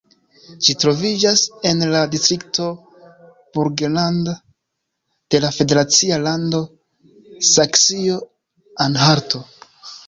Ĝi troviĝas en la distrikto Burgenland de la federacia lando Saksio-Anhalto.